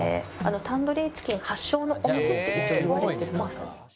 タンドリーチキン発祥のお店って一応言われてますね。